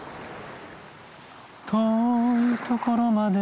「遠いところまで」